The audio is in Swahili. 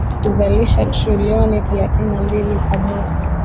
Huzalisha trilioni thelathini na mbili kwa mwaka